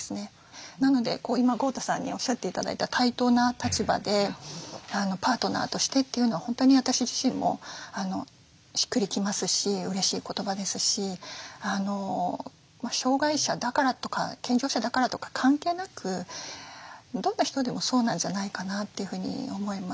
なので今豪太さんにおっしゃって頂いた対等な立場でパートナーとしてというのは本当に私自身もしっくり来ますしうれしい言葉ですし障害者だからとか健常者だからとか関係なくどんな人でもそうなんじゃないかなというふうに思います。